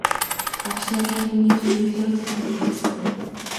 Багш нарыг түүний зөвшөөрлөөр л томилж байсан.